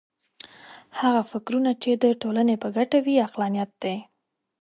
هغه فکرونه چې د ټولنې په ګټه وي عقلانیت دی.